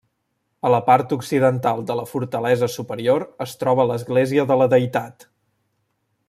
A la part occidental de la fortalesa superior es troba l'església de la Deïtat.